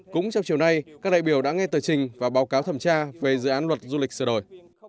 cũng trong chiều nay các đại biểu đã nghe tờ trình và báo cáo thẩm tra về dự án luật du lịch sửa đổi